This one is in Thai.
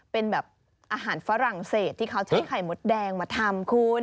เป็นแบบอาหารฝรั่งเศสที่เขาใช้ไข่มดแดงมาทำคุณ